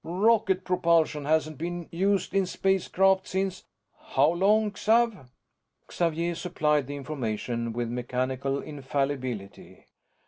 Rocket propulsion hasn't been used in spacecraft since how long, Xav?" Xavier supplied the information with mechanical infallibility.